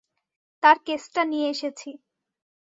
তার কেসটা নিয়ে এসেছি।